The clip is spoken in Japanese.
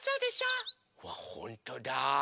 うわほんとだ。